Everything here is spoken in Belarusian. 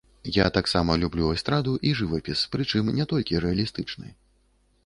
Я таксама люблю эстраду і жывапіс, прычым не толькі рэалістычны.